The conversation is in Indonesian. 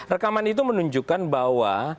rekaman itu menunjukkan bahwa